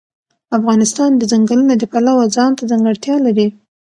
افغانستان د ځنګلونه د پلوه ځانته ځانګړتیا لري.